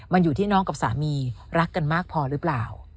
มันอยู่ที่น้องกับสามีรักกันมากพอหรือเปล่า